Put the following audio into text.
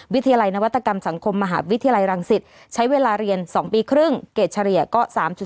วิทยาลัยนวัตกรรมสังคมมหาวิทยาลัยรังสิตใช้เวลาเรียน๒ปีครึ่งเกรดเฉลี่ยก็๓๐